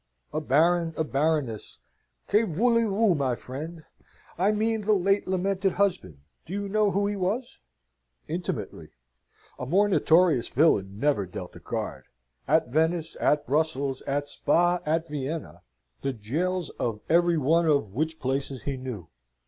"A Baron a Baroness, que voulez vous, my friend? I mean the late lamented husband. Do you know who he was?" "Intimately. A more notorious villain never dealt a card. At Venice, at Brussels, at Spa, at Vienna the gaols of every one of which places he knew.